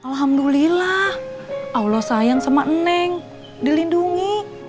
alhamdulillah allah sayang sama neng dilindungi